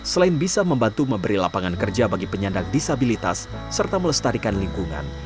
selain bisa membantu memberi lapangan kerja bagi penyandang disabilitas serta melestarikan lingkungan